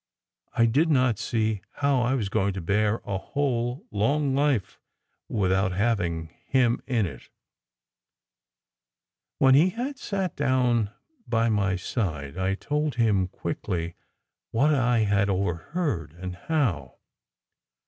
I did not see how I was going to bear a whole, long life without having him in it. When he had sat down by my side, I told him quickly what I had overheard, and how.